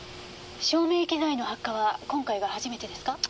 照明機材の発火は今回が初めてですか？